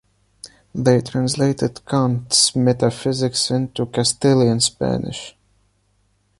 They translated Kant’s Metaphysics into Castilian Spanish.